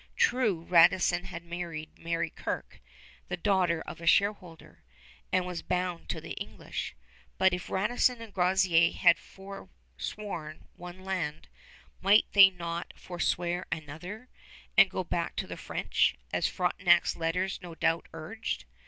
True, Radisson had married Mary Kirke, the daughter of a shareholder, and was bound to the English; but if Radisson and Groseillers had forsworn one land, might they not forswear another, and go back to the French, as Frontenac's letters no doubt urged?